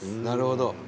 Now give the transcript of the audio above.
なるほど。